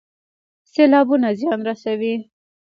سیلابونه زیان رسوي